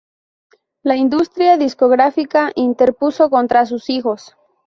la industria discográfica interpuso contra sus hijos